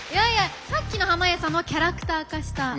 さっきの濱家さんのはキャラクター化した。